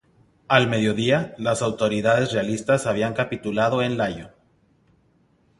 Al mediodía, las autoridades realistas habían capitulado en Lyon.